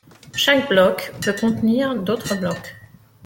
Chaque bloc peut contenir d'autres blocs.